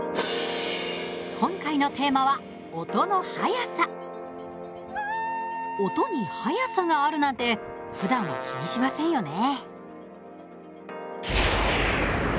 今回のテーマは音に速さがあるなんてふだんは気にしませんよね。